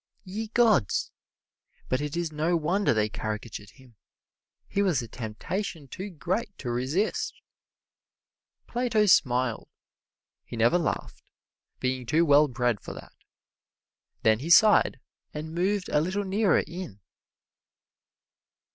Ye gods! But it is no wonder they caricatured him he was a temptation too great to resist. Plato smiled he never laughed, being too well bred for that. Then he sighed, and moved a little nearer in.